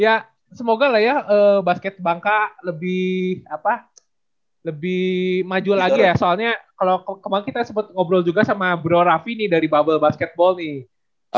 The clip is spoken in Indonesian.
ya semoga lah ya basket bangka lebih apa lebih maju lagi ya soalnya kalo kemaren kita sempet ngobrol juga sama bro raffi nih dari bubble basketball nih